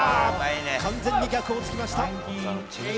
完全に逆をつきました。